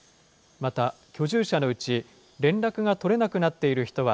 また居住者のうち、連絡が取れなくなっている人は、